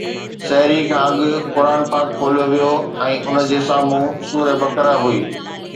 سحري کان اڳ قرآن پاڪ کوليو ويو ۽ ان جي سامهون سوره بقره هئي.